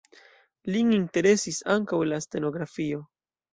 Lin interesis ankaŭ la stenografio.